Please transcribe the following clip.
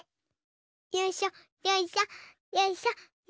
よいしょよいしょよいしょよいしょ。